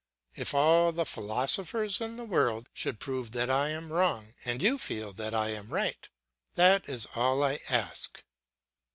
If all the philosophers in the world should prove that I am wrong, and you feel that I am right, that is all I ask.